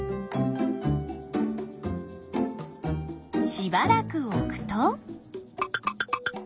しばらく置くと。